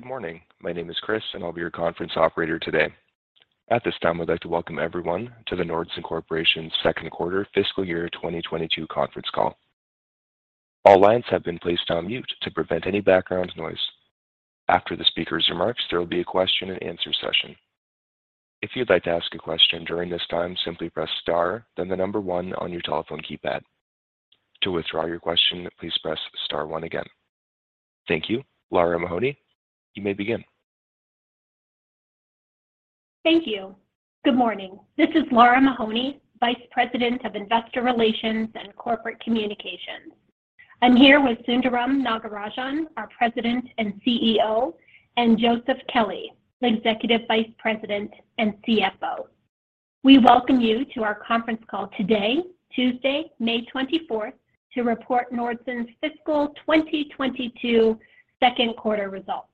Good morning. My name is Chris, and I'll be your conference operator today. At this time, I'd like to welcome everyone to the Nordson Corporation's Second Quarter Fiscal Year 2022 Conference Call. All lines have been placed on mute to prevent any background noise. After the speaker's remarks, there will be a question-and-answer session. If you'd like to ask a question during this time, simply press Star, then the number one on your telephone keypad. To withdraw your question, please press star one again. Thank you. Lara Mahoney, you may begin. Thank you. Good morning. This is Lara Mahoney, Vice President of Investor Relations and Corporate Communications. I'm here with Sundaram Nagarajan, our President and CEO, and Joseph Kelley, the Executive Vice President and CFO. We welcome you to our conference call today, Tuesday, May 24th, to report Nordson's fiscal 2022 second quarter results.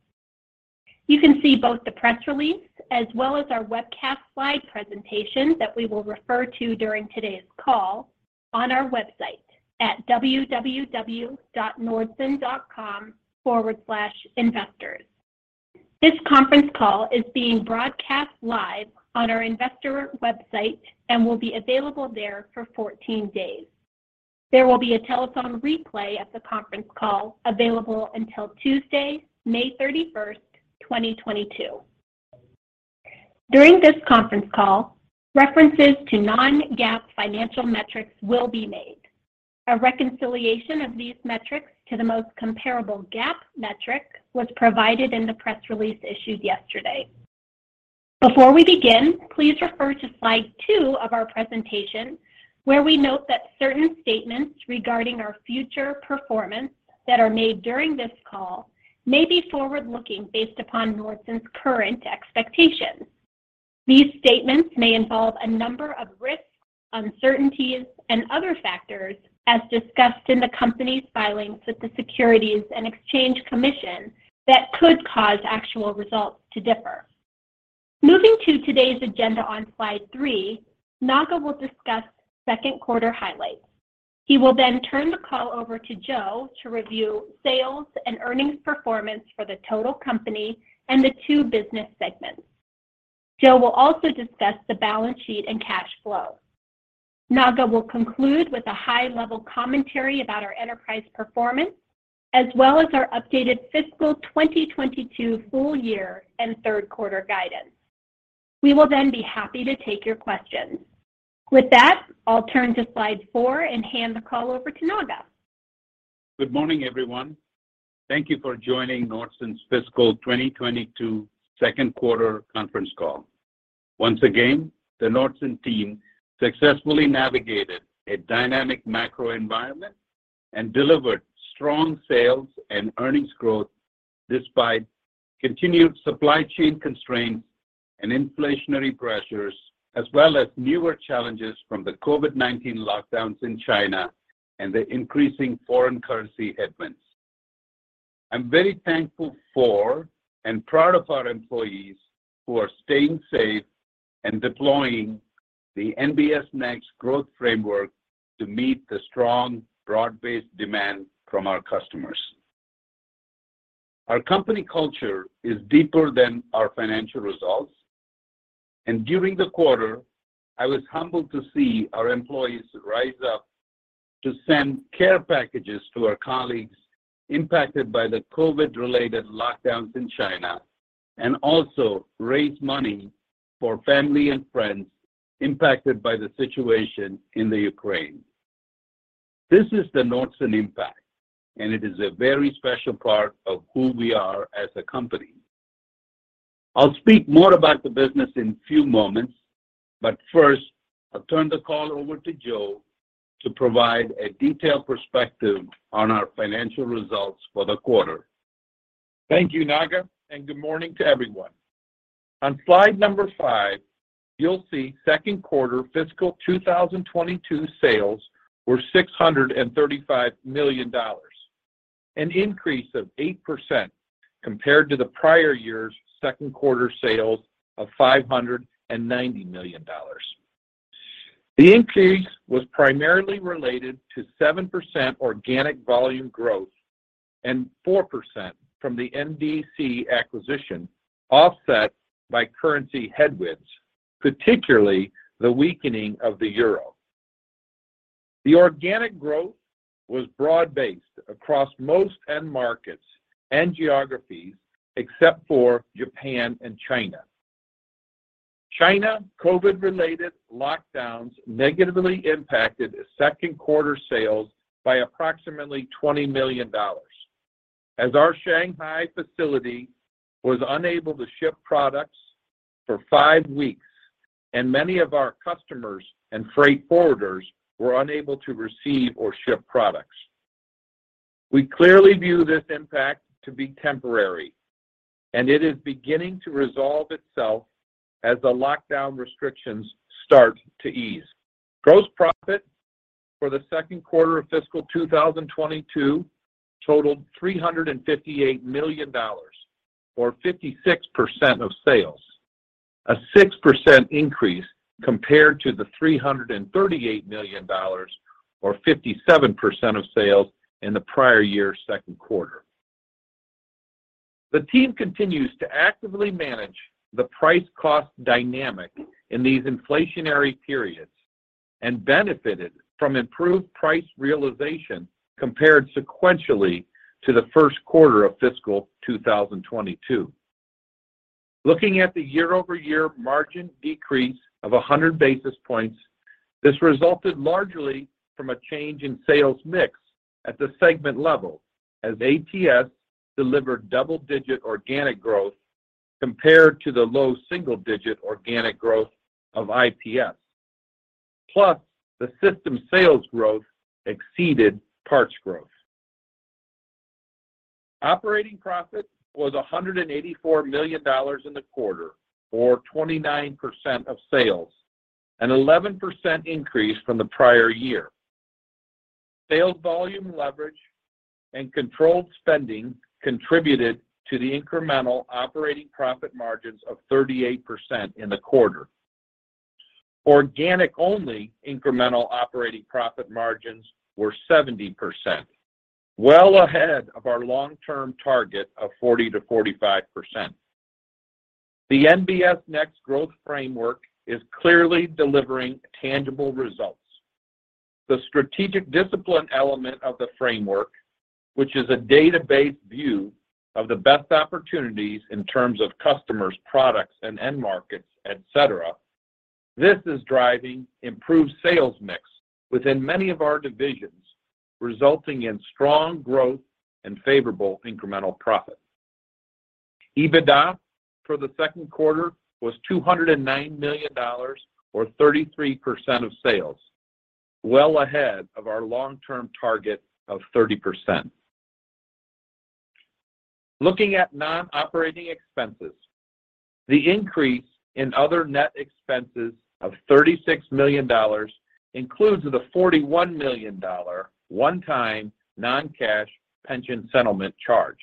You can see both the press release as well as our webcast slide presentation that we will refer to during today's call on our website at www.nordson.com/investors. This conference call is being broadcast live on our investor website and will be available there for 14 days. There will be a telephone replay of the conference call available until Tuesday, May 31st, 2022. During this conference call, references to non-GAAP financial metrics will be made. A reconciliation of these metrics to the most comparable GAAP metric was provided in the press release issued yesterday. Before we begin, please refer to slide two of our presentation, where we note that certain statements regarding our future performance that are made during this call may be forward-looking based upon Nordson's current expectations. These statements may involve a number of risks, uncertainties, and other factors as discussed in the company's filings with the Securities and Exchange Commission that could cause actual results to differ. Moving to today's agenda on slide three, Sundaram Nagarajan will discuss second quarter highlights. He will then turn the call over to Joseph to review sales and earnings performance for the total company and the two business segments. Joseph will also discuss the balance sheet and cash flow. Nagi will conclude with a high-level commentary about our enterprise performance, as well as our updated fiscal 2022 full year and third quarter guidance. We will then be happy to take your questions. With that, I'll turn to slide four and hand the call over to Sundaram Nagarajan. Good morning, everyone. Thank you for joining Nordson's Fiscal 2022 Second Quarter Conference Call. Once again, the Nordson team successfully navigated a dynamic macro environment and delivered strong sales and earnings growth despite continued supply chain constraints and inflationary pressures, as well as newer challenges from the COVID-19 lockdowns in China and the increasing foreign currency headwinds. I'm very thankful for and proud of our employees who are staying safe and deploying the NBS Next growth framework to meet the strong broad-based demand from our customers. Our company culture is deeper than our financial results, and during the quarter, I was humbled to see our employees rise up to send care packages to our colleagues impacted by the COVID-related lockdowns in China and also raise money for family and friends impacted by the situation in the Ukraine. This is the Nordson impact, and it is a very special part of who we are as a company. I'll speak more about the business in a few moments, but first I'll turn the call over to Joseph to provide a detailed perspective on our financial results for the quarter. Thank you, Sundaram Nagarajan, and good morning to everyone. On slide number five, you'll see second quarter fiscal 2022 sales were $635 million, an increase of 8% compared to the prior year's second quarter sales of $590 million. The increase was primarily related to 7% organic volume growth and 4% from the NDC acquisition, offset by currency headwinds, particularly the weakening of the euro. The organic growth was broad-based across most end markets and geographies, except for Japan and China. China COVID-related lockdowns negatively impacted second quarter sales by approximately $20 million as our Shanghai facility was unable to ship products for five weeks and many of our customers and freight forwarders were unable to receive or ship products. We clearly view this impact to be temporary, and it is beginning to resolve itself as the lockdown restrictions start to ease. Gross profit for the second quarter of fiscal 2022 totaled $358 million or 56% of sales. A 6% increase compared to the $338 million or 57% of sales in the prior year's second quarter. The team continues to actively manage the price cost dynamic in these inflationary periods and benefited from improved price realization compared sequentially to the first quarter of fiscal 2022. Looking at the year-over-year margin decrease of 100 basis points, this resulted largely from a change in sales mix at the segment level as ATS delivered double-digit organic growth compared to the low single-digit organic growth of IPS. The system sales growth exceeded parts growth. Operating profit was $184 million in the quarter or 29% of sales, an 11% increase from the prior year. Sales volume leverage and controlled spending contributed to the incremental operating profit margins of 38% in the quarter. Organic only incremental operating profit margins were 70%, well ahead of our long-term target of 40%-45%. The NBS Next growth framework is clearly delivering tangible results. The strategic discipline element of the framework, which is a database view of the best opportunities in terms of customers, products, and end markets, etc. This is driving improved sales mix within many of our divisions, resulting in strong growth and favorable incremental profit. EBITDA for the second quarter was $209 million or 33% of sales, well ahead of our long-term target of 30%. Looking at non-operating expenses, the increase in other net expenses of $36 million includes the $41 million one-time non-cash pension settlement charge.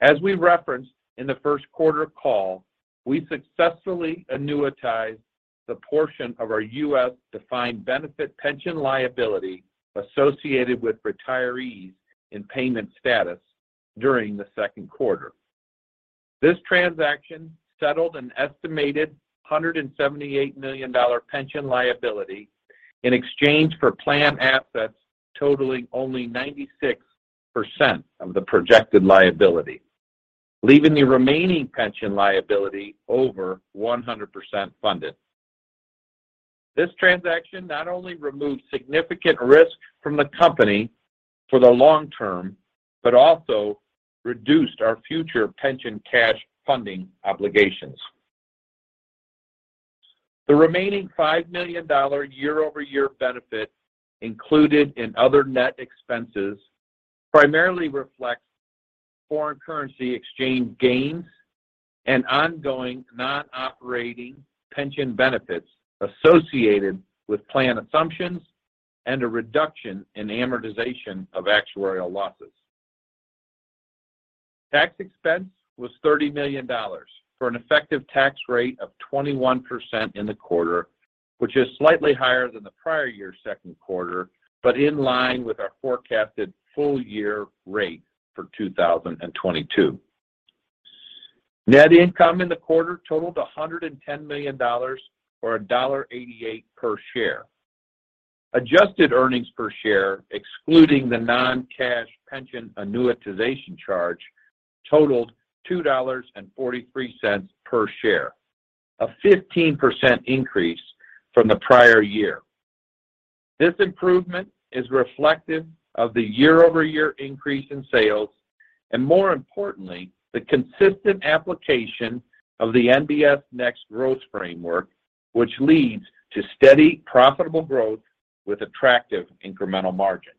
As we referenced in the first quarter call, we successfully annuitized the portion of our U.S. defined benefit pension liability associated with retirees in payment status during the second quarter. This transaction settled an estimated $178 million pension liability in exchange for plan assets totaling only 96% of the projected liability, leaving the remaining pension liability over 100% funded. This transaction not only removed significant risk from the company for the long term but also reduced our future pension cash funding obligations. The remaining $5 million year-over-year benefit included in other net expenses primarily reflects foreign currency exchange gains and ongoing non-operating pension benefits associated with plan assumptions and a reduction in amortization of actuarial losses. Tax expense was $30 million for an effective tax rate of 21% in the quarter, which is slightly higher than the prior year's second quarter, but in line with our forecasted full year rate for 2022. Net income in the quarter totaled $110 million or $1.88 per share. Adjusted earnings per share, excluding the non-cash pension annuitization charge, totaled $2.43 per share, a 15% increase from the prior year. This improvement is reflective of the year-over-year increase in sales, and more importantly, the consistent application of the NBS Next growth framework, which leads to steady, profitable growth with attractive incremental margins.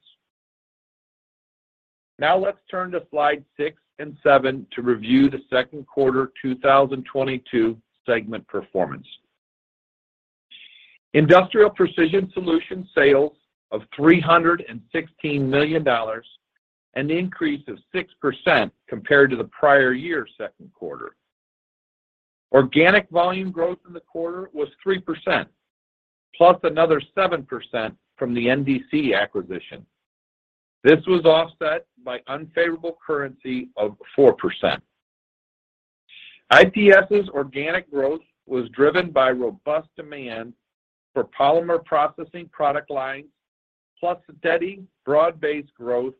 Now let's turn to slide six and seven to review the second quarter 2022 segment performance. Industrial Precision Solutions sales of $316 million, an increase of 6% compared to the prior year's second quarter. Organic volume growth in the quarter was 3%, plus another 7% from the NDC acquisition. This was offset by unfavorable currency of 4%. IPS's organic growth was driven by robust demand for polymer processing product lines, plus steady broad-based growth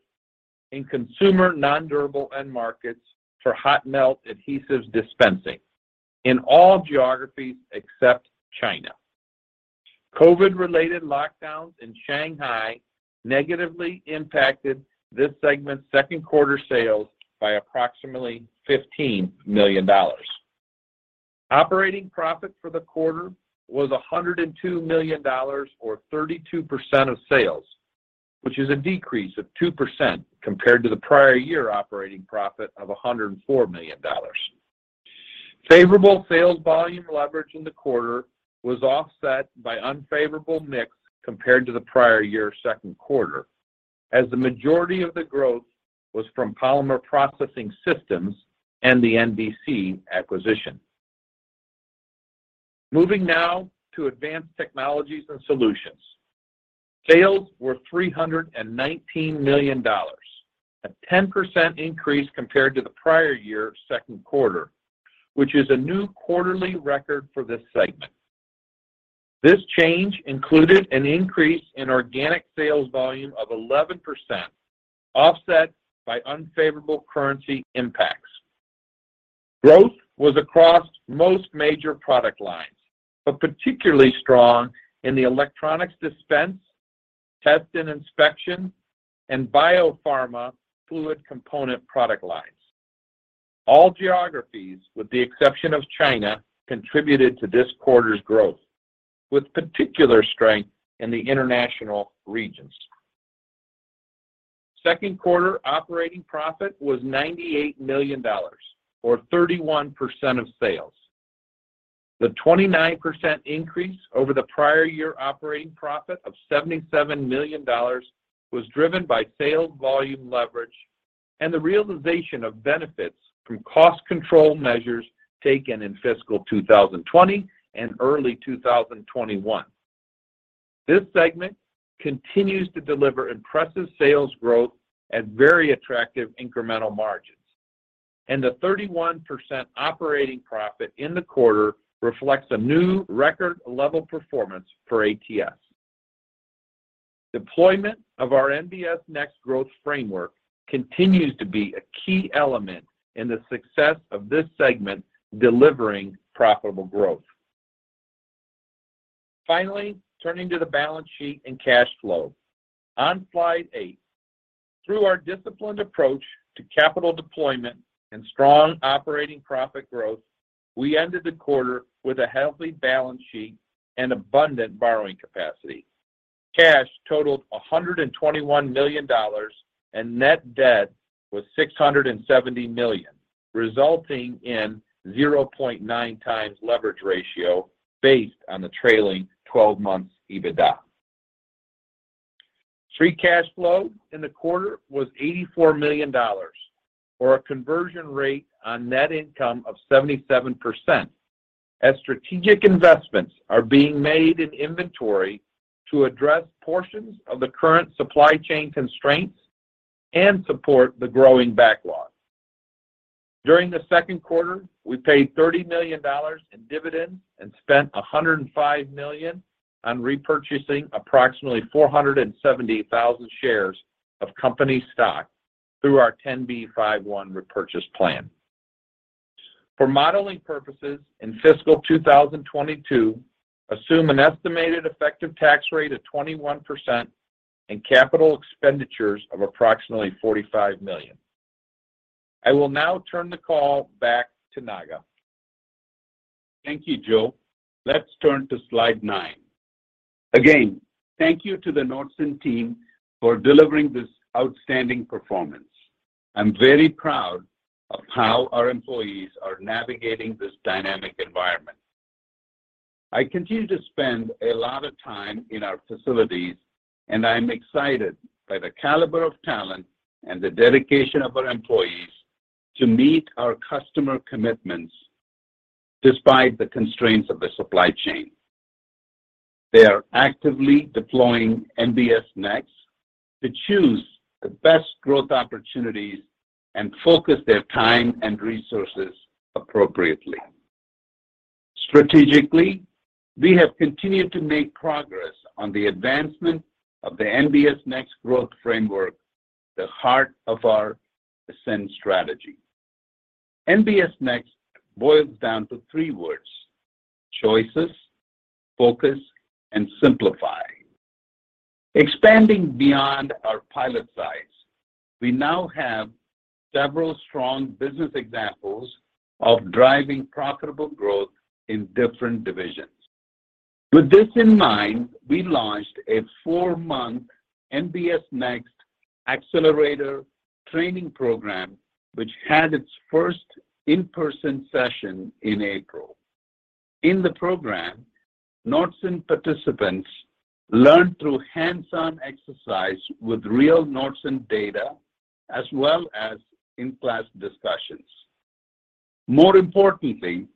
in consumer nondurable end markets for hot melt adhesives dispensing in all geographies except China. COVID-related lockdowns in Shanghai negatively impacted this segment's second quarter sales by approximately $15 million. Operating profit for the quarter was $102 million or 32% of sales, which is a decrease of 2% compared to the prior year operating profit of $104 million. Favorable sales volume leverage in the quarter was offset by unfavorable mix compared to the prior year's second quarter. As the majority of the growth was from Polymer Processing Systems and the NDC acquisition. Moving now to Advanced Technology Solutions. Sales were $319 million. A 10% increase compared to the prior year second quarter, which is a new quarterly record for this segment. This change included an increase in organic sales volume of 11%, offset by unfavorable currency impacts. Growth was across most major product lines, but particularly strong in the electronics dispense, Test & Inspection, and biopharma fluid component product lines. All geographies, with the exception of China, contributed to this quarter's growth, with particular strength in the international regions. Second quarter operating profit was $98 million or 31% of sales. The 29% increase over the prior year operating profit of $77 million was driven by sales volume leverage and the realization of benefits from cost control measures taken in fiscal 2020 and early 2021. This segment continues to deliver impressive sales growth at very attractive incremental margins, and the 31% operating profit in the quarter reflects a new record level performance for ATS. Deployment of our NBS Next growth framework continues to be a key element in the success of this segment, delivering profitable growth. Finally, turning to the balance sheet and cash flow. On slide eight, through our disciplined approach to capital deployment and strong operating profit growth, we ended the quarter with a healthy balance sheet and abundant borrowing capacity. Cash totaled $121 million, and net debt was $670 million, resulting in 0.9x leverage ratio based on the trailing 12 months EBITDA. Free cash flow in the quarter was $84 million, or a conversion rate on net income of 77%. Strategic investments are being made in inventory to address portions of the current supply chain constraints and support the growing backlog. During the second quarter, we paid $30 million in dividends and spent $105 million on repurchasing approximately 470,000 shares of company stock through our 10b5-1 repurchase plan. For modeling purposes in fiscal 2022, assume an estimated effective tax rate of 21% and capital expenditures of approximately $45 million. I will now turn the call back to Sundaram Nagarajan. Thank you, Joseph. Let's turn to slide nine. Again, thank you to the Nordson team for delivering this outstanding performance. I'm very proud of how our employees are navigating this dynamic environment. I continue to spend a lot of time in our facilities, and I'm excited by the caliber of talent and the dedication of our employees to meet our customer commitments despite the constraints of the supply chain. They are actively deploying NBS Next to choose the best growth opportunities and focus their time and resources appropriately. Strategically, we have continued to make progress on the advancement of the NBS Next growth framework, the heart of our Ascend strategy. NBS Next boils down to three words, choices, focus, and simplify. Expanding beyond our pilot size, we now have several strong business examples of driving profitable growth in different divisions. With this in mind, we launched a four-month NBS Next Accelerator training program, which had its first in-person session in April. In the program, Nordson participants learn through hands-on exercise with real Nordson data as well as in-class discussions. More importantly,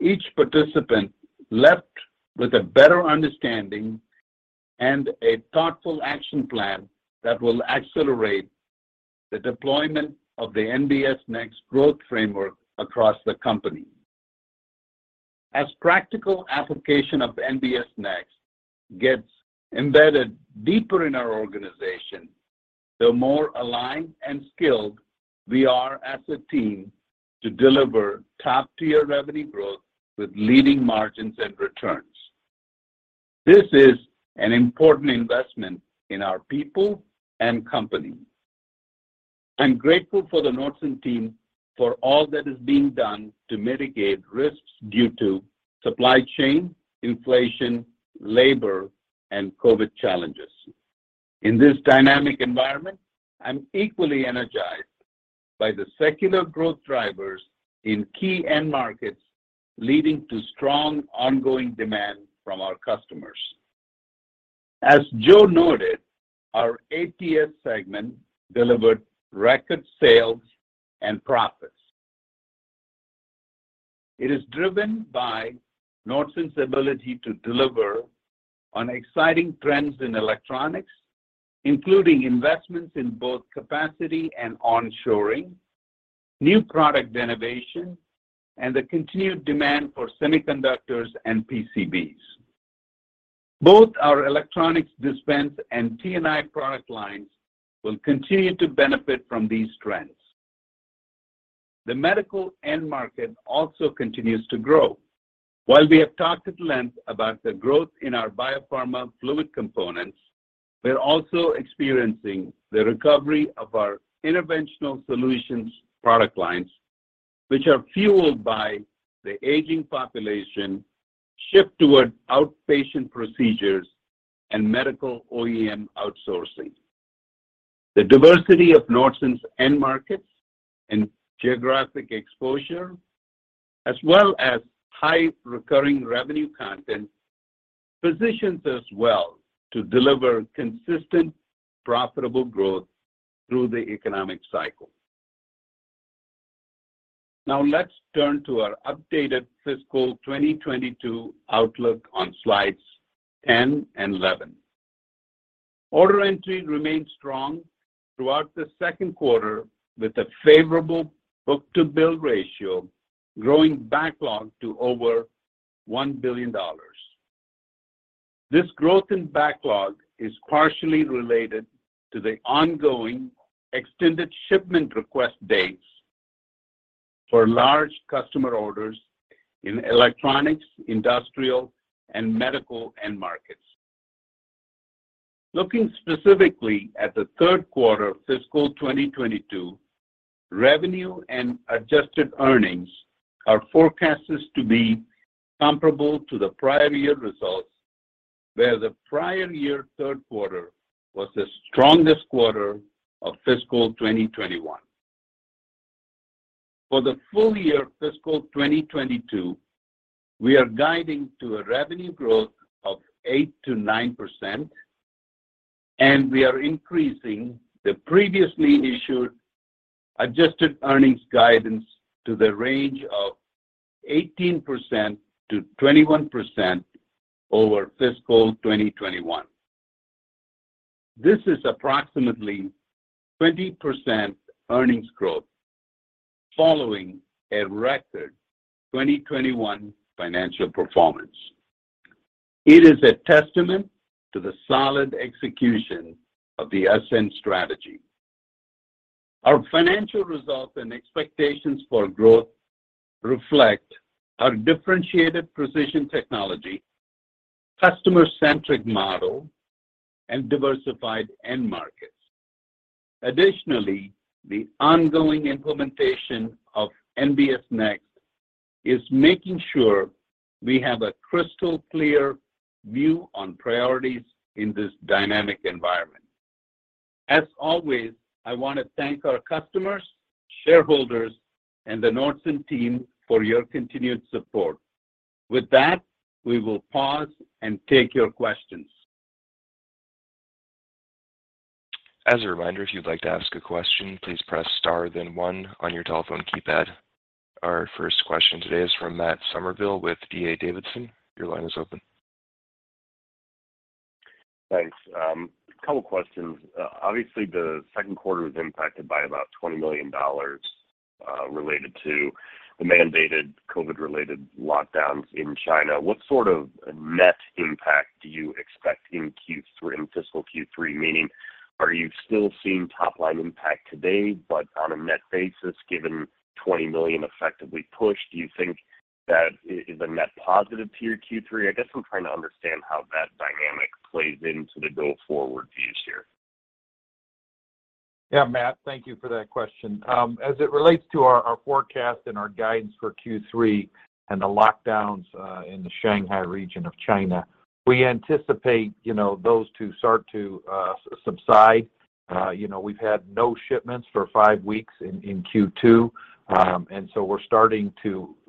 each participant left with a better understanding and a thoughtful action plan that will accelerate the deployment of the NBS Next growth framework across the company. As practical application of NBS Next gets embedded deeper in our organization, the more aligned and skilled we are as a team to deliver top-tier revenue growth with leading margins and returns. This is an important investment in our people and company. I'm grateful for the Nordson team for all that is being done to mitigate risks due to supply chain, inflation, labor, and COVID challenges. In this dynamic environment, I'm equally energized by the secular growth drivers in key end markets, leading to strong ongoing demand from our customers. As Joseph noted, our ATS segment delivered record sales and profits. It is driven by Nordson's ability to deliver on exciting trends in electronics, including investments in both capacity and onshoring, new product innovation, and the continued demand for semiconductors and PCBs. Both our electronics dispense and T&I product lines will continue to benefit from these trends. The medical end market also continues to grow. While we have talked at length about the growth in our biopharma fluid components, we're also experiencing the recovery of our interventional solutions product lines, which are fueled by the aging population, shift toward outpatient procedures, and medical OEM outsourcing. The diversity of Nordson's end markets and geographic exposure, as well as high recurring revenue content, positions us well to deliver consistent, profitable growth through the economic cycle. Now let's turn to our updated fiscal 2022 outlook on slides 10 and 11. Order entry remained strong throughout the second quarter, with a favorable book-to-bill ratio growing backlog to over $1 billion. This growth in backlog is partially related to the ongoing extended shipment request dates for large customer orders in electronics, industrial, and medical end markets. Looking specifically at the third quarter of fiscal 2022, revenue and adjusted earnings are forecasted to be comparable to the prior year results, where the prior year third quarter was the strongest quarter of fiscal 2021. For the full year fiscal 2022, we are guiding to a revenue growth of 8%-9%, and we are increasing the previously issued adjusted earnings guidance to the range of 18%-21% over fiscal 2021. This is approximately 20% earnings growth following a record 2021 financial performance. It is a testament to the solid execution of the Ascend strategy. Our financial results and expectations for growth reflect our differentiated precision technology, customer-centric model, and diversified end markets. Additionally, the ongoing implementation of NBS Next is making sure we have a crystal clear view on priorities in this dynamic environment. As always, I want to thank our customers, shareholders, and the Nordson team for your continued support. With that, we will pause and take your questions. As a reminder, if you'd like to ask a question, please press star then one on your telephone keypad. Our first question today is from Matt Summerville with D.A. Davidson. Your line is open. Thanks. A couple of questions. Obviously, the second quarter was impacted by about $20 million related to the mandated COVID-related lockdowns in China. What sort of net impact do you expect in fiscal Q3? Meaning, are you still seeing top-line impact today, but on a net basis, given $20 million effectively pushed, do you think that is a net positive to your Q3? I guess I'm trying to understand how that dynamic plays into the go-forward views here. Yeah, Matt, thank you for that question. As it relates to our forecast and our guidance for Q3 and the lockdowns in the Shanghai region of China, we anticipate, you know, those to start to subside. You know, we've had no shipments for five weeks in Q2.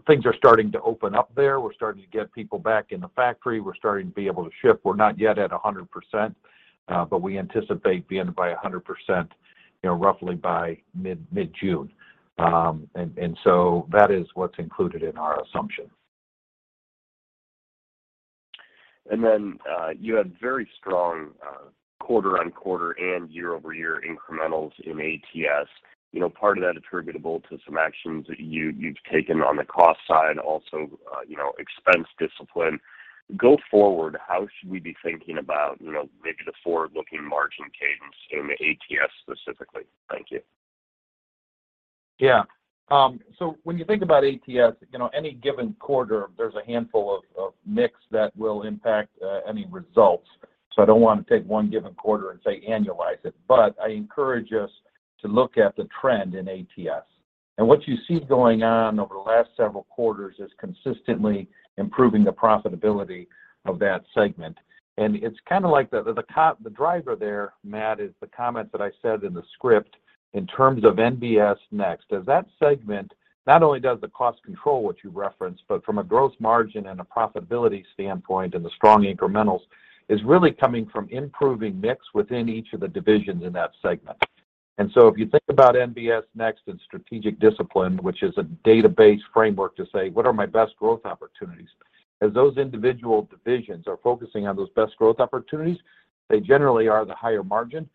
Things are starting to open up there. We're starting to get people back in the factory. We're starting to be able to ship. We're not yet at 100%, but we anticipate being by 100%, you know, roughly by mid-June. That is what's included in our assumptions. Then you had very strong quarter-on-quarter and year-over-year incrementals in ATS. You know, part of that attributable to some actions that you've taken on the cost side, also you know, expense discipline. Go forward, how should we be thinking about you know, maybe the forward-looking margin cadence in ATS specifically? Thank you. When you think about ATS, you know, any given quarter, there's a handful of mix that will impact any results. I don't wanna take one given quarter and say annualize it. I encourage us to look at the trend in ATS. What you see going on over the last several quarters is consistently improving the profitability of that segment. It's kind of like the driver there, Matt, is the comments that I said in the script in terms of NBS Next. As that segment, not only does the cost control what you referenced, but from a gross margin and a profitability standpoint, and the strong incrementals is really coming from improving mix within each of the divisions in that segment. If you think about NBS Next and strategic discipline, which is a data-based framework to say, "What are my best growth opportunities?" As those individual divisions are focusing on those best growth opportunities, they generally are the higher margin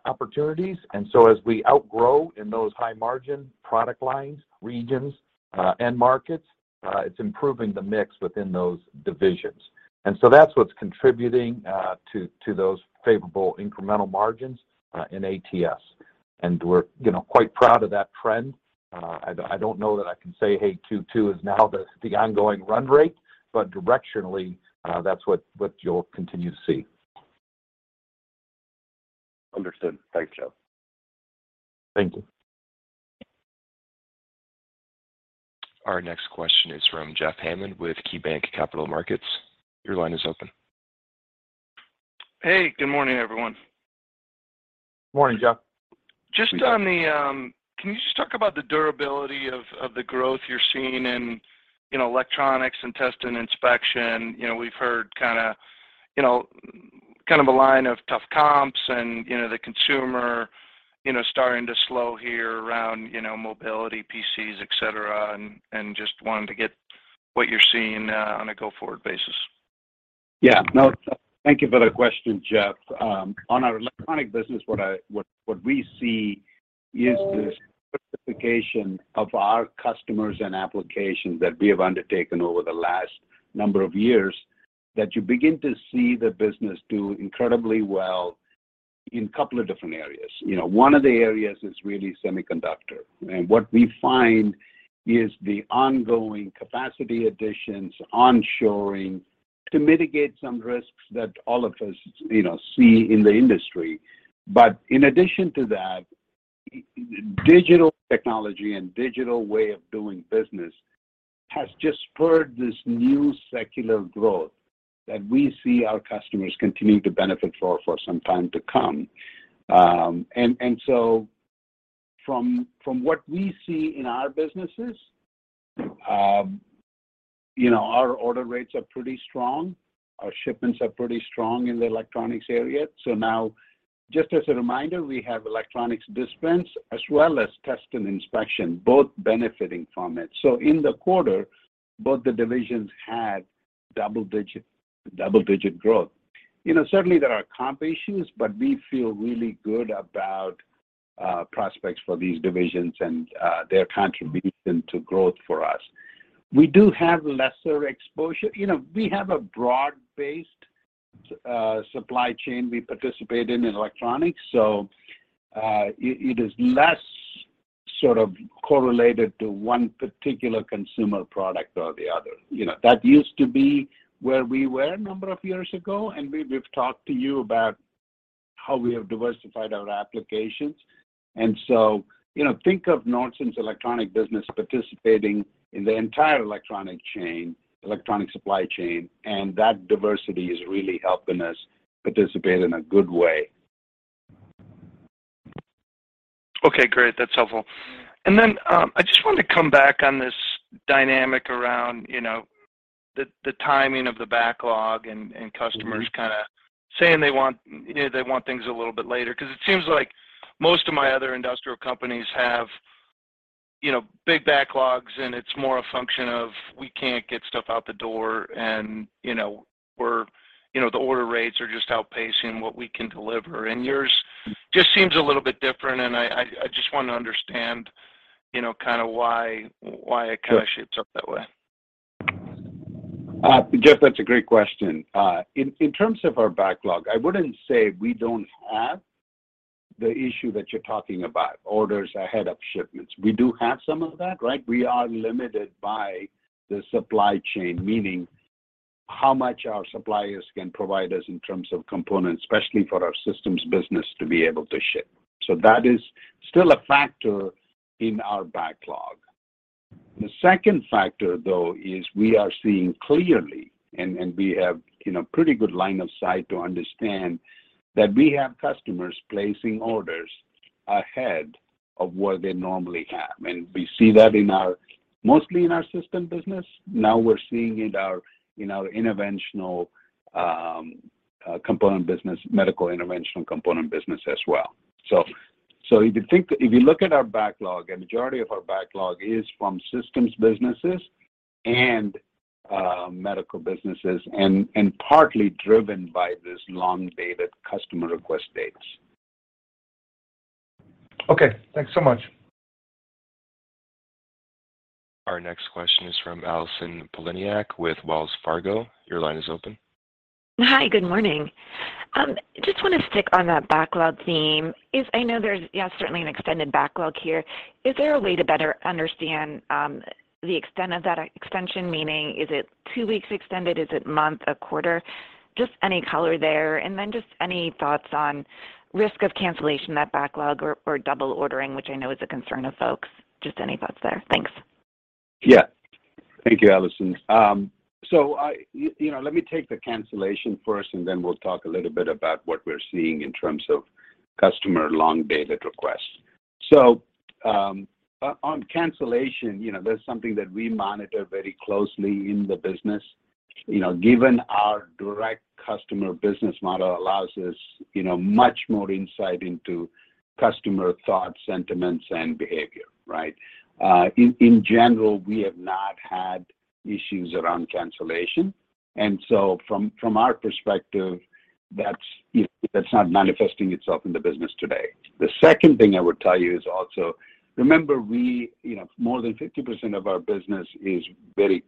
opportunities. As we outgrow in those high margin product lines, regions, end markets, it's improving the mix within those divisions. That's what's contributing to those favorable incremental margins in ATS. We're, you know, quite proud of that trend. I don't know that I can say, "Hey, two two is now the ongoing run rate," but directionally, that's what you'll continue to see. Understood. Thanks, Joseph. Thank you. Our next question is from Jeff Hammond with KeyBanc Capital Markets. Your line is open. Hey, good morning, everyone. Morning, Jeff. Can you just talk about the durability of the growth you're seeing in electronics and Test & Inspection? You know, we've heard kinda, you know, kind of a line of tough comps and, you know, the consumer, you know, starting to slow here around, you know, mobility, PCs, et cetera, and just wanted to get what you're seeing on a go-forward basis. Yeah. No, thank you for the question, Jeff. On our electronics business, what we see is this certification of our customers and applications that we have undertaken over the last number of years, that you begin to see the business do incredibly well in a couple of different areas. You know, one of the areas is really semiconductor. What we find is the ongoing capacity additions, onshoring to mitigate some risks that all of us, you know, see in the industry. But in addition to that, digital technology and digital way of doing business has just spurred this new secular growth that we see our customers continuing to benefit from for some time to come. So from what we see in our businesses, you know, our order rates are pretty strong. Our shipments are pretty strong in the electronics area. Now, just as a reminder, we have electronics dispense as well as Test & Inspection, both benefiting from it. In the quarter, both the divisions had double-digit growth. You know, certainly there are comp issues, but we feel really good about prospects for these divisions and their contribution to growth for us. We do have lesser exposure. You know, we have a broad-based supply chain we participate in electronics, so it is less sort of correlated to one particular consumer product or the other. You know, that used to be where we were a number of years ago, and we've talked to you about how we have diversified our applications. You know, think of Nordson's electronics business participating in the entire electronics chain, electronics supply chain, and that diversity is really helping us participate in a good way. Okay, great. That's helpful. Then, I just wanted to come back on this dynamic around, you know, the timing of the backlog and customers kinda saying they want, you know, they want things a little bit later. 'Cause it seems like most of my other industrial companies have, you know, big backlogs, and it's more a function of we can't get stuff out the door and, you know, we're, you know, the order rates are just outpacing what we can deliver. Yours just seems a little bit different, and I just wanna understand, you know, kinda why accounts shape up that way. Jeff, that's a great question. In terms of our backlog, I wouldn't say we don't have the issue that you're talking about, orders ahead of shipments. We do have some of that, right? We are limited by the supply chain, meaning how much our suppliers can provide us in terms of components, especially for our systems business, to be able to ship. That is still a factor in our backlog. The second factor, though, is we are seeing clearly, and we have, you know, pretty good line of sight to understand, that we have customers placing orders ahead of what they normally have. We see that mostly in our systems business. Now we're seeing it in our interventional component business, medical interventional component business as well. If you look at our backlog, a majority of our backlog is from systems businesses and medical businesses and partly driven by this long dated customer request dates. Okay, thanks so much. Our next question is from Allison Poliniak-Cusic with Wells Fargo. Your line is open. Hi, good morning. Just wanna stick on that backlog theme. I know there's, yeah, certainly an extended backlog here. Is there a way to better understand the extent of that extension? Meaning, is it two weeks extended? Is it a month, a quarter? Just any color there. Just any thoughts on risk of cancellation, that backlog or double ordering, which I know is a concern of folks. Just any thoughts there. Thanks. Yeah. Thank you, Allison. I, you know, let me take the cancellation first, and then we'll talk a little bit about what we're seeing in terms of customer long-dated requests. On cancellation, you know, that's something that we monitor very closely in the business, you know, given our direct customer business model allows us, you know, much more insight into customer thoughts, sentiments, and behavior, right? In general, we have not had issues around cancellation. From our perspective, it's not manifesting itself in the business today. The second thing I would tell you is also remember we, you know, more than 50% of our business is very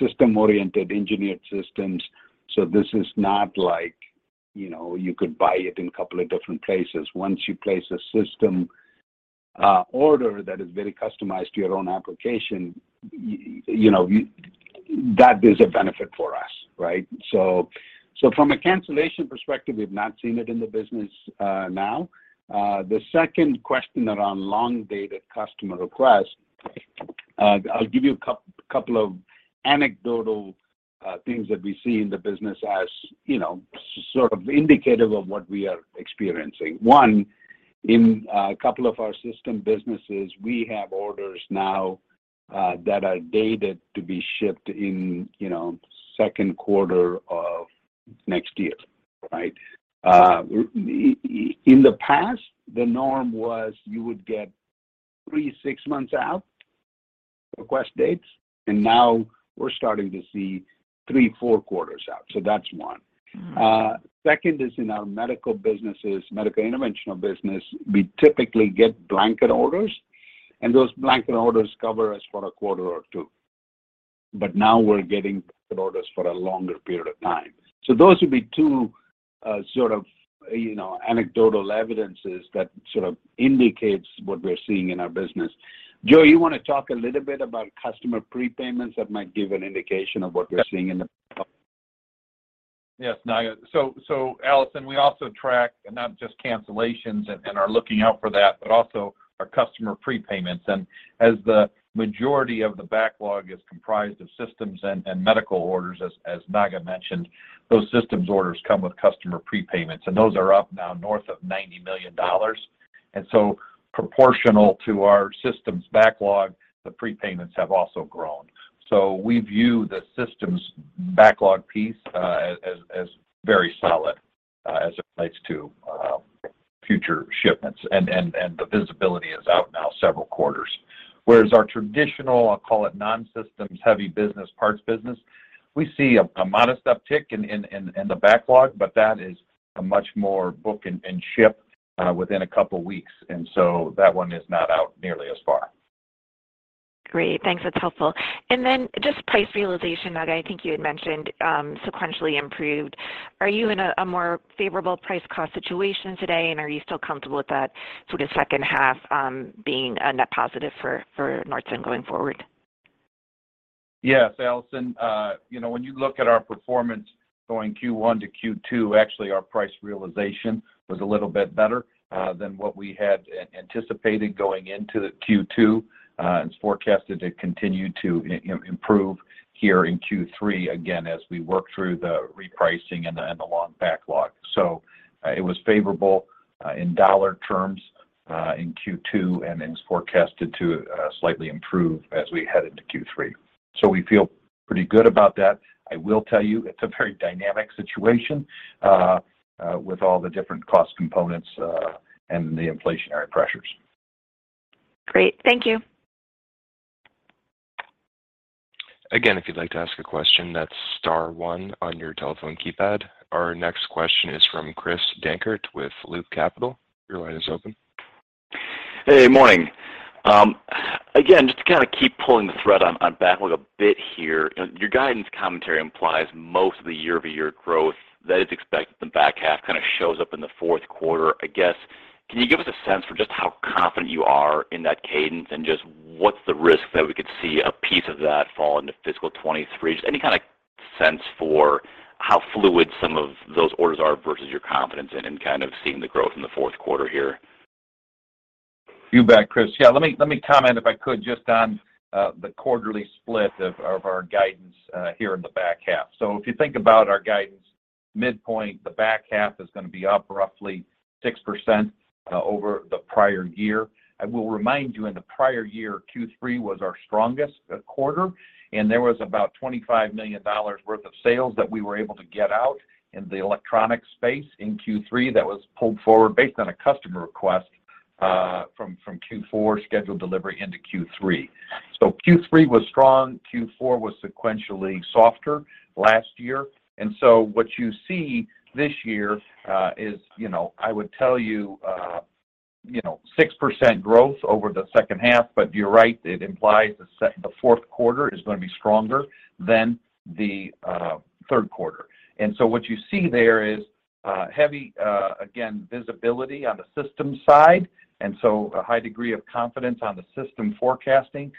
system-oriented, engineered systems, so this is not like, you know, you could buy it in a couple of different places. Once you place a system order that is very customized to your own application, you know, that is a benefit for us, right? So, from a cancellation perspective, we've not seen it in the business now. The second question around long-dated customer requests, I'll give you a couple of anecdotal things that we see in the business as, you know, sort of indicative of what we are experiencing. One, in a couple of our system businesses, we have orders now that are dated to be shipped in, you know, second quarter of next year, right? In the past, the norm was you would get three-six months out request dates, and now we're starting to see three-four quarters out. So that's one. Mm-hmm. Second is in our medical businesses, medical interventional business, we typically get blanket orders, and those blanket orders cover us for a quarter or two. Now we're getting orders for a longer period of time. Those would be two, sort of, you know, anecdotal evidences that sort of indicates what we're seeing in our business. Joseph, you want to talk a little bit about customer prepayments that might give an indication of what we're seeing in the? Yes, Sundaram Nagarajan. So, Allison, we also track not just cancellations and are looking out for that, but also our customer prepayments. As the majority of the backlog is comprised of systems and medical orders as Sundaram Nagarajan mentioned, those systems orders come with customer prepayments, and those are up now north of $90 million. Proportional to our systems backlog, the prepayments have also grown. We view the systems backlog piece as very solid as it relates to future shipments and the visibility is out now several quarters. Whereas our traditional, I'll call it non-systems heavy business, parts business, we see a modest uptick in the backlog, but that is a much more book-and-ship within a couple weeks, that one is not out nearly as far. Great. Thanks. That's helpful. Just price realization that I think you had mentioned sequentially improved. Are you in a more favorable price cost situation today, and are you still comfortable with that sort of second half being a net positive for Nordson going forward? Yes, Allison. You know, when you look at our performance going Q1 to Q2, actually our price realization was a little bit better than what we had anticipated going into Q2. It's forecasted to continue to improve here in Q3 again as we work through the repricing and the long backlog. It was favorable in dollar terms in Q2 and is forecasted to slightly improve as we head into Q3. We feel pretty good about that. I will tell you it's a very dynamic situation with all the different cost components and the inflationary pressures. Great. Thank you. Again, if you'd like to ask a question, that's star one on your telephone keypad. Our next question is from Chris Dankert with Loop Capital. Your line is open. Hey, morning. Again, just to kind of keep pulling the thread on backlog a bit here. Your guidance commentary implies most of the year-over-year growth that is expected in the back half kind of shows up in the fourth quarter. I guess, can you give us a sense for just how confident you are in that cadence and just what's the risk that we could see a piece of that fall into fiscal 2023? Just any kind of sense for how fluid some of those orders are versus your confidence in kind of seeing the growth in the fourth quarter here. You bet, Chris. Yeah, let me comment, if I could, just on the quarterly split of our guidance here in the back half. If you think about our guidance midpoint, the back half is going to be up roughly 6% over the prior year. I will remind you in the prior year, Q3 was our strongest quarter, and there was about $25 million worth of sales that we were able to get out in the electronic space in Q3 that was pulled forward based on a customer request from Q4 scheduled delivery into Q3. Q3 was strong, Q4 was sequentially softer last year. What you see this year is, you know, I would tell you know, 6% growth over the second half. You're right, it implies the fourth quarter is going to be stronger than the third quarter. What you see there is heavy, again, visibility on the systems side, and so a high degree of confidence on the system forecasting.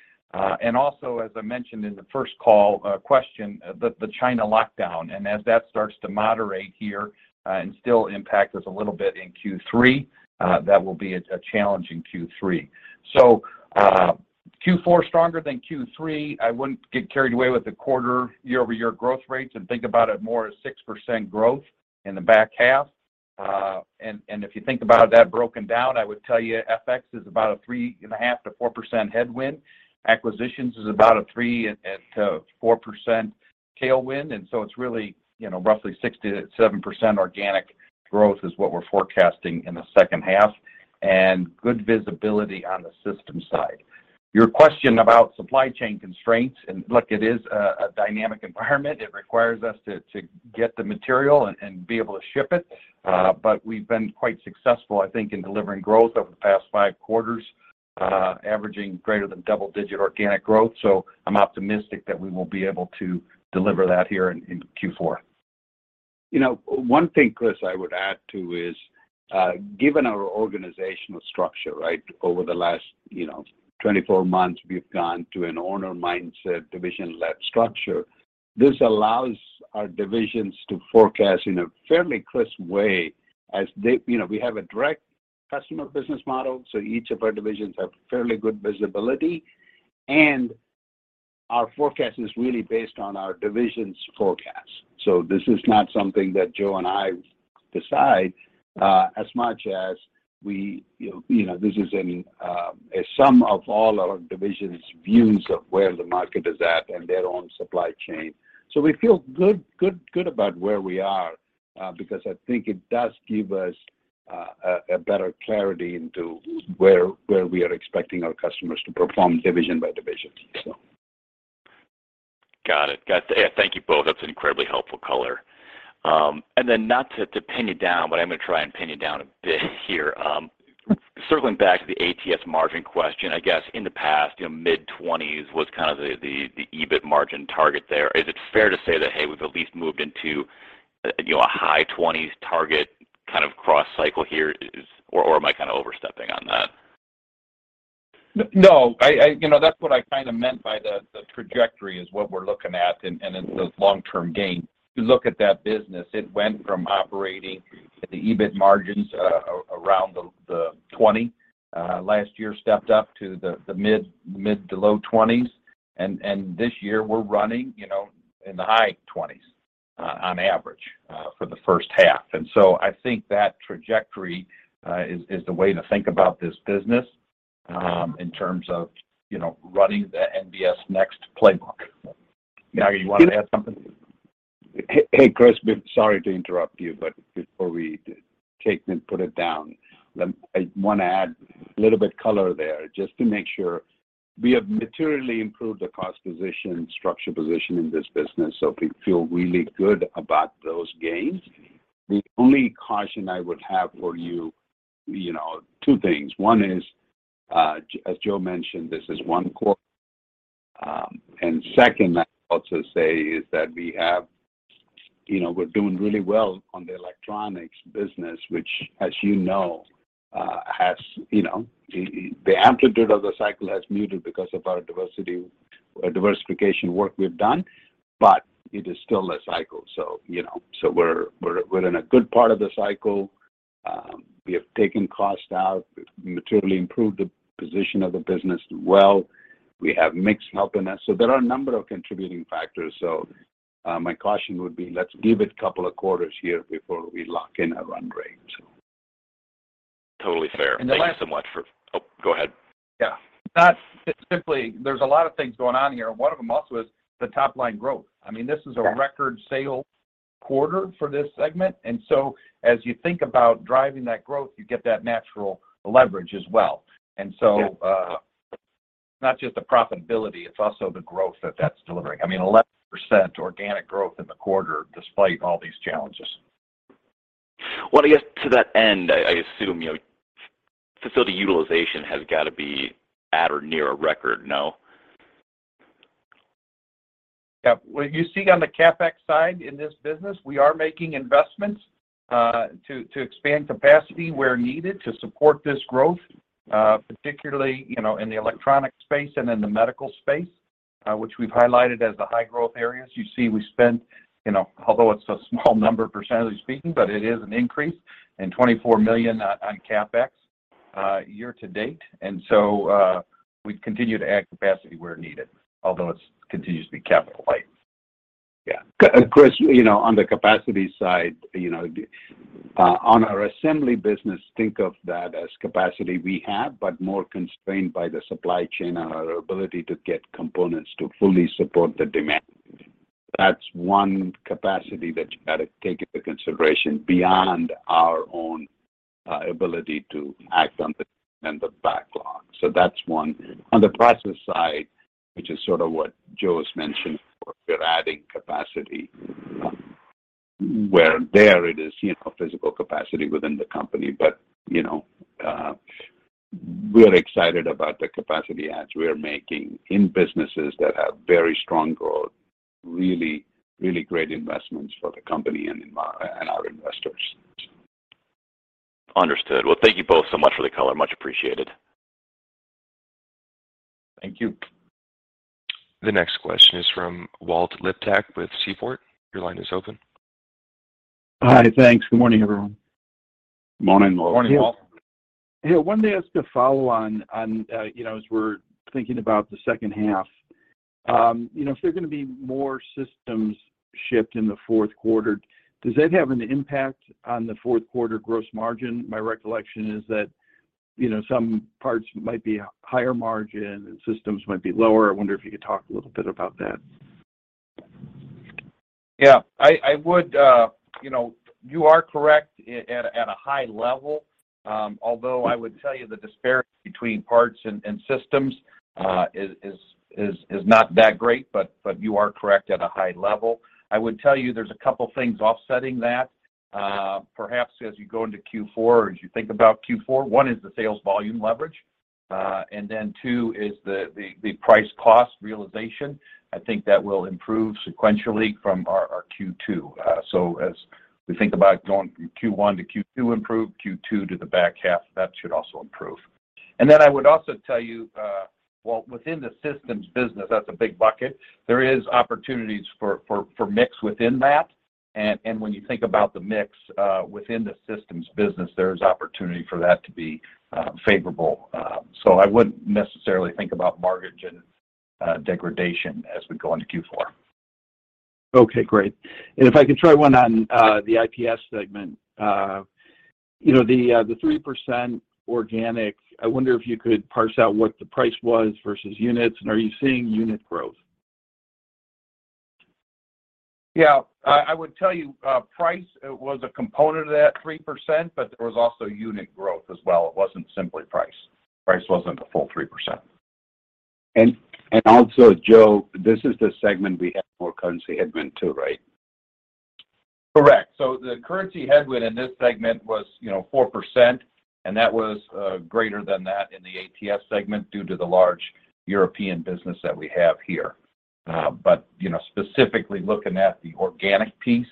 Also as I mentioned in the first call question, the China lockdown. As that starts to moderate here, and still impact us a little bit in Q3, that will be a challenging Q3. Q4 stronger than Q3. I wouldn't get carried away with the quarter year-over-year growth rates and think about it more as 6% growth in the back half. If you think about that broken down, I would tell you FX is about a 3.5%-4% headwind. Acquisitions is about a 3%-4% tailwind. It's really, you know, roughly 6%-7% organic growth is what we're forecasting in the second half, and good visibility on the system side. Your question about supply chain constraints, and look, it is a dynamic environment. It requires us to get the material and be able to ship it. But we've been quite successful, I think, in delivering growth over the past five quarters, averaging greater than double-digit organic growth. I'm optimistic that we will be able to deliver that here in Q4. You know, one thing, Chris, I would add too is, given our organizational structure, right? Over the last, you know, 24 months, we've gone to an owner mindset, division-led structure. This allows our divisions to forecast in a fairly crisp way. You know, we have a direct customer business model, so each of our divisions have fairly good visibility, and our forecast is really based on our divisions' forecast. This is not something that Joseph and I decide, as much as we, you know, this is a sum of all our divisions' views of where the market is at and their own supply chain. So we feel good about where we are, because I think it does give us a better clarity into where we are expecting our customers to perform division by division. Got it. Yeah, thank you both. That's an incredibly helpful color. Not to pin you down, but I'm gonna try and pin you down a bit here. Circling back to the ATS margin question, I guess in the past, you know, mid-20s was kind of the EBIT margin target there. Is it fair to say that, hey, we've at least moved into, you know, a high 20s target kind of cross-cycle here? Or am I kind of overstepping on that? No, I... You know, that's what I kinda meant by the trajectory is what we're looking at and it's those long-term gains. If you look at that business, it went from operating at the EBIT margins around 20%. Last year stepped up to the mid- to low 20s. This year we're running, you know, in the high 20s on average for the first half. I think that trajectory is the way to think about this business in terms of, you know, running the NBS Next Playbook. Sundaram Nagarajan, you wanna add something? Hey, Chris, sorry to interrupt you, but before we take and put it down, I wanna add a little bit color there just to make sure. We have materially improved the cost position, structure position in this business, so we feel really good about those gains. The only caution I would have for you know, two things. One is, as Joseph mentioned, this is one quarter. And second, I'd also say is that we have, you know, we're doing really well on the electronics business, which as you know, the amplitude of the cycle has muted because of our diversity or diversification work we've done, but it is still a cycle, so, you know. So, we're in a good part of the cycle. We have taken cost out, materially improved the position of the business well. We have mix helping us. There are a number of contributing factors. My caution would be, let's give it couple of quarters here before we lock in a run rate. Totally fair. And the last- Oh, go ahead. Yeah. It's simply there's a lot of things going on here, and one of them also is the top-line growth. I mean, this is a record sales quarter for this segment, and so as you think about driving that growth, you get that natural leverage as well. Yeah Not just the profitability, it's also the growth that's delivering. I mean, 11% organic growth in the quarter despite all these challenges. Well, I guess to that end, I assume, you know, facility utilization has got to be at or near a record now. Yeah. What you see on the CapEx side in this business, we are making investments to expand capacity where needed to support this growth, particularly, you know, in the electronic space and in the medical space, which we've highlighted as the high growth areas. You see, we spent, you know, although it's a small number percentagely speaking, but it is an increase in $24 million on CapEx year to date. We continue to add capacity where needed, although it continues to be capital light. Yeah. Chris, you know, on the capacity side, you know, on our assembly business, think of that as capacity we have, but more constrained by the supply chain and our ability to get components to fully support the demand. That's one capacity that you got to take into consideration beyond our own ability to act on the demand backlog. That's one. On the process side, which is sort of what Joseph has mentioned, we're adding capacity where it is physical capacity within the company. We're excited about the capacity adds we are making in businesses that have very strong growth, really, really great investments for the company and our investors. Understood. Well, thank you both so much for the color. Much appreciated. Thank you. The next question is from Walt Liptak with Seaport Global Securities. Your line is open. Hi, thanks. Good morning, everyone. Morning, Walt. Morning, Walt. Yeah. Yeah, one thing I'd ask to follow on, you know, as we're thinking about the second half. You know, if there are gonna be more systems shipped in the fourth quarter, does that have an impact on the fourth quarter gross margin? My recollection is that, you know, some parts might be higher margin and systems might be lower. I wonder if you could talk a little bit about that. Yeah. I would, you know, you are correct at a high level. Although I would tell you the disparity between parts and systems is not that great, but you are correct at a high level. I would tell you there's a couple things offsetting that. Perhaps as you go into Q4, as you think about Q4, one is the sales volume leverage. Then two is the price cost realization. I think that will improve sequentially from our Q2. As we think about going from Q1 to Q2 improve, Q2 to the back half, that should also improve. Then I would also tell you, well, within the systems business, that's a big bucket. There is opportunities for mix within that. When you think about the mix within the systems business, there's opportunity for that to be favorable. I wouldn't necessarily think about margin degradation as we go into Q4. Okay, great. If I could throw one on, the IPS segment. You know, the 3% organic, I wonder if you could parse out what the price was versus units, and are you seeing unit growth? Yeah. I would tell you, price was a component of that 3%, but there was also unit growth as well. It wasn't simply price. Price wasn't the full 3%. Also, Joseph, this is the segment we have more currency headwind to, right? Correct. The currency headwind in this segment was, you know, 4%, and that was greater than that in the ATS segment due to the large European business that we have here. Specifically looking at the organic piece,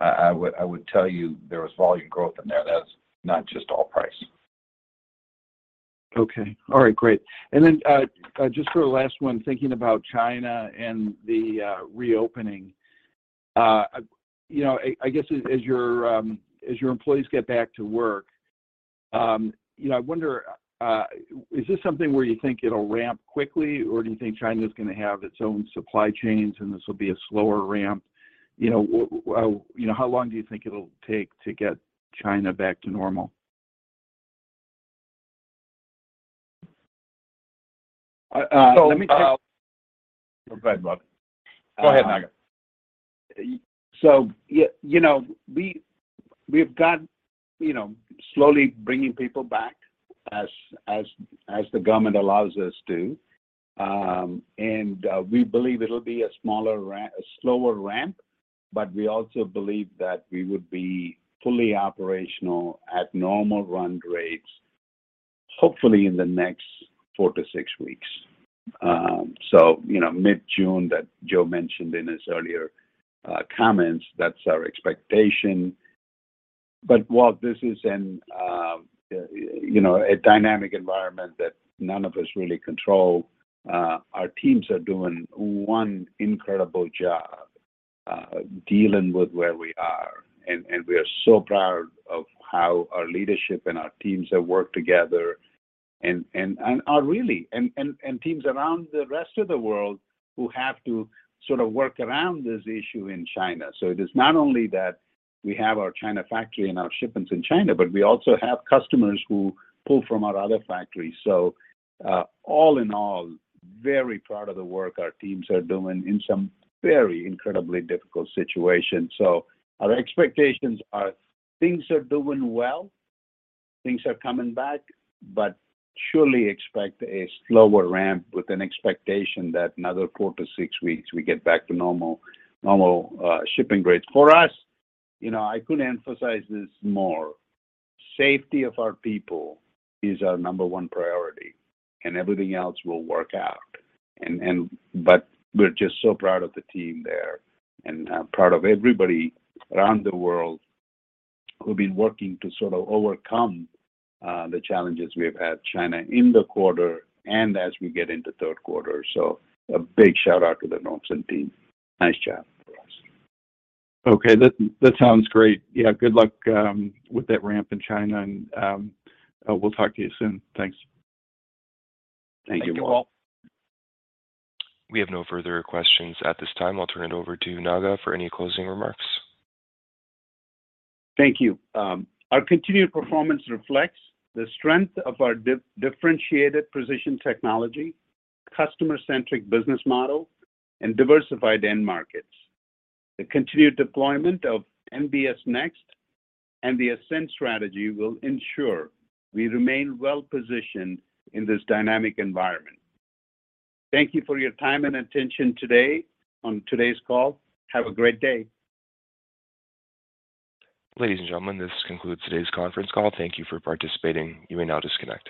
you know, I would tell you there was volume growth in there. That was not just all price. Okay. All right, great. Then, just for a last one, thinking about China and the reopening. You know, I guess as your employees get back to work, you know, I wonder, is this something where you think it'll ramp quickly, or do you think China's gonna have its own supply chains, and this will be a slower ramp? You know, how long do you think it'll take to get China back to normal? Uh, let me- So- Go ahead, Walt. Go ahead, Sundaram Nagarajan. You know, we've got, you know, slowly bringing people back as the government allows us to. We believe it'll be a slower ramp, but we also believe that we would be fully operational at normal run rates, hopefully in the next four-six weeks. You know, mid-June, that Joseph mentioned in his earlier comments, that's our expectation. While this is a dynamic environment that none of us really control, our teams are doing an incredible job dealing with where we are. We are so proud of how our leadership and our teams have worked together, and teams around the rest of the world who have to sort of work around this issue in China. It is not only that we have our China factory and our shipments in China, but we also have customers who pull from our other factories. All in all, very proud of the work our teams are doing in some very incredibly difficult situations. Our expectations are things are doing well, things are coming back, but we surely expect a slower ramp with an expectation that another four-six weeks, we get back to normal shipping rates. For us, you know, I couldn't emphasize this more, safety of our people is our number one priority, and everything else will work out. But we're just so proud of the team there and proud of everybody around the world who've been working to sort of overcome the challenges we've had in China in the quarter and as we get into third quarter. A big shout-out to the Nordson team. Nice job. Okay. That sounds great. Yeah, good luck with that ramp in China and we'll talk to you soon. Thanks. Thank you, Walt. Thank you, Walt. We have no further questions at this time. I'll turn it over to Sundaram Nagarajan for any closing remarks. Thank you. Our continued performance reflects the strength of our differentiated precision technology, customer-centric business model, and diversified end markets. The continued deployment of NBS Next and the Ascend strategy will ensure we remain well-positioned in this dynamic environment. Thank you for your time and attention today on today's call. Have a great day. Ladies and gentlemen, this concludes today's conference call. Thank you for participating. You may now disconnect.